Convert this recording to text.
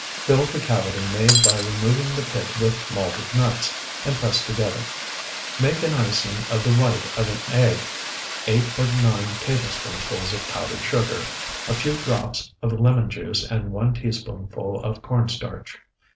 Fill the cavity made by removing the pit with malted nuts, and press together. Make an icing of the white of an egg, eight or nine tablespoonfuls of powdered sugar, a few drops of lemon juice, and one teaspoonful of corn starch.